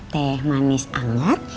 teh manis anget